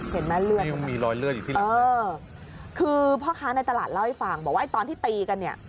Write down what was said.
เห็นไหมเลือดเหมือนกันเออคือพ่อค้าในตลาดเล่าให้ฟังบอกว่าตอนที่ตีกันเนี่ย